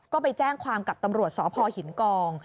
ก็ไปแจ้งความกับตำรวจสพหินกอง